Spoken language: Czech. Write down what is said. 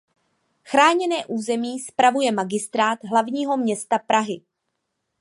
Chráněné území spravuje Magistrát hlavního města Prahy.